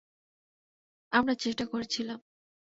আমরা চেষ্টা করেছিলাম।